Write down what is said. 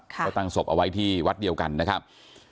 ก็ตั้งศพเอาไว้ที่วัดเดียวกันนะครับ